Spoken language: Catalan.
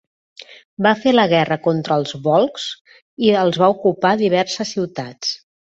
Va fer la guerra contra els volscs i els va ocupar diverses ciutats.